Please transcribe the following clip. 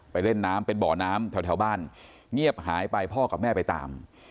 เล่นน้ำเป็นบ่อน้ำแถวบ้านเงียบหายไปพ่อกับแม่ไปตาม